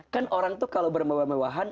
kan orang tuh kalau bermewah mewahan